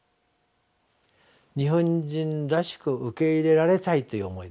日本人らしく受け入れられたいという思いです。